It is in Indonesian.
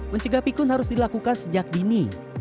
mencegah pikun harus dilakukan sejak dini